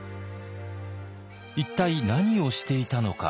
一体何をしていたのか。